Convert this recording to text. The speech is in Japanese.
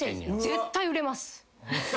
絶対売れます。